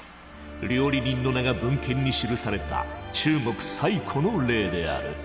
料理人の名が文献に記された中国最古の例である。